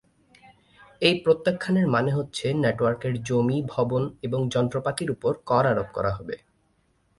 এই প্রত্যাখ্যানের মানে হচ্ছে নেটওয়ার্কের জমি, ভবন এবং যন্ত্রপাতির উপর কর আরোপ করা হবে।